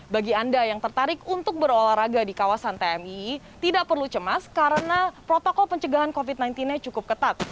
bagi anda yang tertarik untuk berolahraga di kawasan tmii tidak perlu cemas karena protokol pencegahan covid sembilan belas nya cukup ketat